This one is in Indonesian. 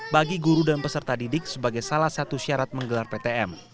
bagi guru dan peserta didik sebagai salah satu syarat menggelar ptm